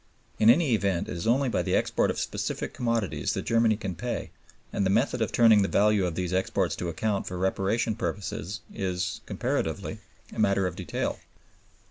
In any event, it is only by the export of specific commodities that Germany can pay, and the method of turning the value of these exports to account for Reparation purposes is, comparatively, a matter of detail.